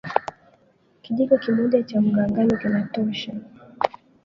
kijiko kimoja cha unga ngano kinatosha